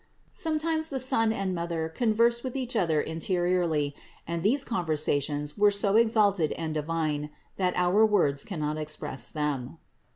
Sometimes the Son and Mother conversed with each other interiorly; and these conver sations were so exalted and divine that our words can not express them.